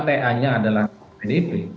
soalnya adalah pdip